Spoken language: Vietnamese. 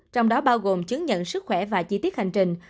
trong đó bao gồm chứng nhận sức khỏe và chi tiết hành trình